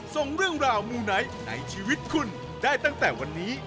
ส่งเรื่องราวมูไนท์ในชีวิตคุณได้ตั้งแต่วันนี้